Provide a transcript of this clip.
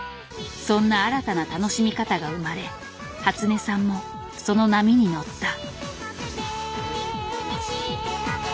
そんな新たな楽しみ方が生まれ初音さんもその波に乗った。